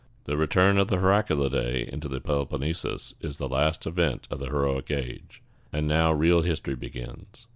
The return of the Heraclidæ into the Peloponnesus is the last event of the Heroic Age, and now real history begins.